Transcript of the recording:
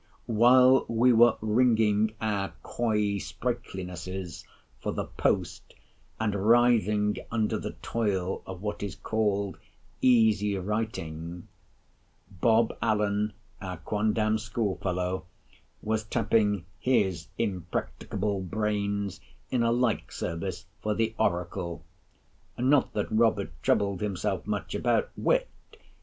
While we were wringing our coy sprightlinesses for the Post, and writhing under the toil of what is called "easy writing," Bob Allen, our quondam schoolfellow, was tapping his impracticable brains in a like service for the "Oracle." Not that Robert troubled himself much about wit.